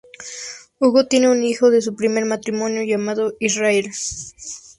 Hugo tiene un hijo de su primer matrimonio llamado Israel.